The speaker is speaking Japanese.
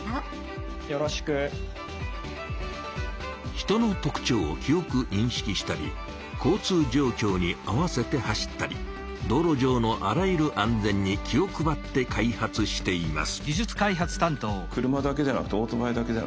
人の特ちょうを記おくにんしきしたり交通じょうきょうに合わせて走ったり道路上のあらゆる安全に気を配って開発しています。